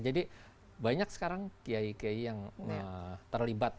jadi banyak sekarang kiai kiai yang terlibat